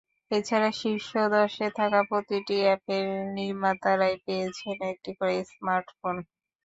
এছাড়া শীর্ষ দশে থাকা প্রতিটি অ্যাপের নির্মাতারাই পেয়েছেন একটি করে স্মার্টফোন।